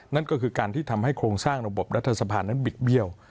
นั่นก็คือการที่ทำให้โครงสร้างระบบรัฐสภานั้นบิดเบี้ยว